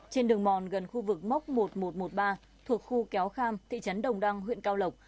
trên đường mòn gần khu vực móc một nghìn một trăm một mươi ba thuộc khu kéo kham thị trấn đồng đăng huyện cao lộc